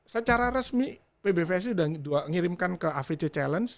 secara resmi pbvsc udah ngirimkan ke avc challenge